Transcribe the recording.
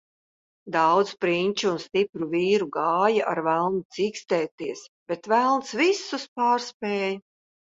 Daudz prinču un stipru vīru gāja ar velnu cīkstēties, bet velns visus pārspēja.